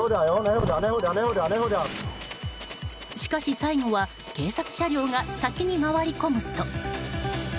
しかし、最後は警察車両が先に回り込むと。